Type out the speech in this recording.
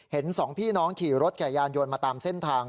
เห็นสองพี่น้องขี่รถกายยานโยนมาตามเส้นทาง